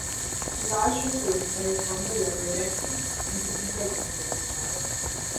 Mirage was raped by her former lover Deathwing and became pregnant with his child.